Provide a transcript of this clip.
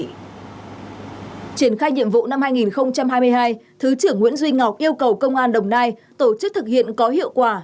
triển khai nhiệm vụ năm hai nghìn hai mươi hai thứ trưởng nguyễn duy ngọc yêu cầu công an đồng nai tổ chức thực hiện có hiệu quả